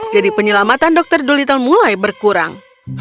jadi penyelamatan dokter dulita mulai berkurang